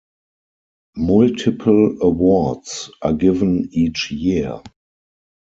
Multiple awards are given each year.